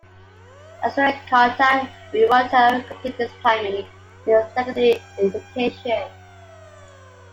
At Surakarta, Wiranto completed his primary and secondary education.